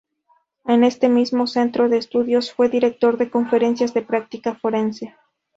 En este mismo centro de estudios fue director de Conferencias de Práctica Forense.